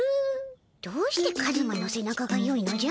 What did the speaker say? どうしてカズマのせ中がよいのじゃ？